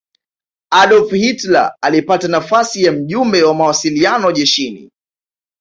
adolf hitler alipata nafasi ya mjumbe wa mawasiliano jeshini